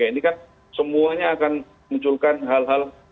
ini kan semuanya akan munculkan hal hal